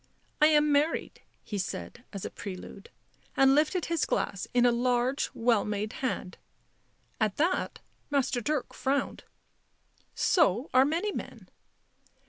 " I am married," he said as a prelude, and lifted his glass in a large, well made hand. At that Master Dirk frowned. " So are many men."